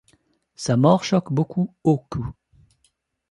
Sa mort choque beaucoup Ōku.